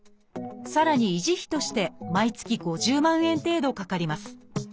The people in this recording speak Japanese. さらに維持費として毎月５０万円程度かかります。